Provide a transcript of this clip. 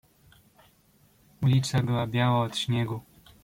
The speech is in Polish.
"Ulica była biała od śniegu."